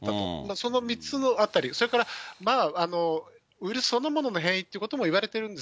その３つのあたり、それからウイルスそのものの変異ってこともいわれてるんです。